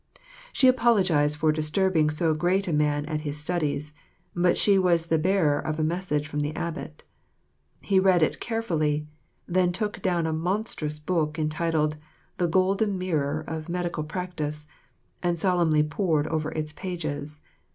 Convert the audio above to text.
She apologised for disturbing so great a man at his studies, but she was the bearer of a message from the abbot. He read it carefully, then took down a monstrous book entitled "The Golden Mirror of Medical Practice," and solemnly pored over its pages.